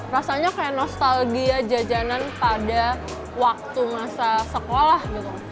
rasanya kayak nostalgia jajanan pada waktu masa sekolah gitu